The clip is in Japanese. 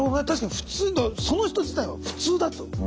確かにその人自体は普通だと。